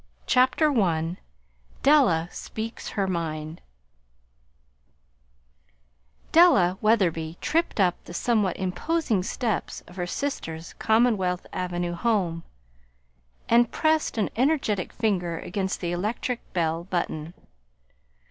'" CHAPTER I DELLA SPEAKS HER MIND Della Wetherby tripped up the somewhat imposing steps of her sister's Commonwealth Avenue home and pressed an energetic finger against the electric bell button.